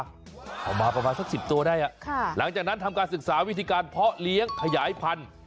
เอามาประมาณสัก๑๐ตัวได้หลังจากนั้นทำการศึกษาวิธีการเพาะเลี้ยงขยายพันธุ์